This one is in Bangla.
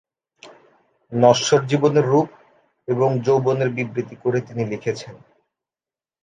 নশ্বর জীবনের রুপ এবং যৌবনের বিবৃতি করে তিনি লিখেছেন।